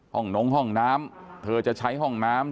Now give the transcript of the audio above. หนงห้องน้ำเธอจะใช้ห้องน้ำ